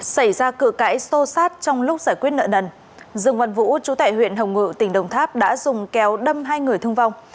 xảy ra cự cãi xô sát trong lúc giải quyết nợ nần dương văn vũ chú tại huyện hồng ngự tỉnh đồng tháp đã dùng kéo đâm hai người thương vong